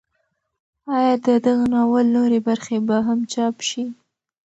ایا د دغه ناول نورې برخې به هم چاپ شي؟